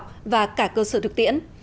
những cơ sở khoa học và cả cơ sở thực tiễn